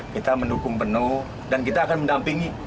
kita mendukung penuh dan kita akan mendampingi